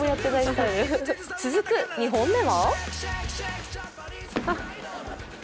続く２本目は？